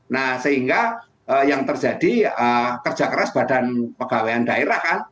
nah sehingga yang terjadi kerja keras badan pegawaian daerah kan